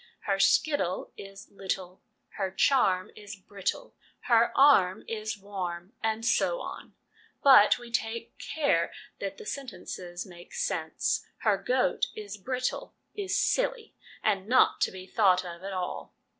Her skittle is little, her charm is brittle, her arm is warm, and so on. But we take care that the sentences make sense. Her goat is brittle, is ' silly,' and not to be thought of at all.